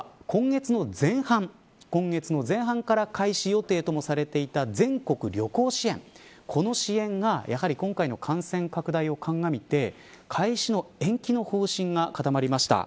実は今月の前半から開始予定ともされていた全国旅行支援この支援が、やはり今回の感染拡大をかんがみて開始の延期の方針が固まりました。